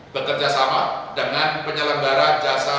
bekerjasama dengan penyelenggara jasa